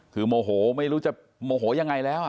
คือโมโหไม่รู้จะโมโหยังไงแล้ว